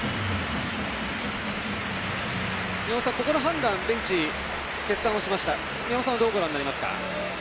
宮本さん、ここの判断決断をしましたが宮本さんはどうご覧になりますか？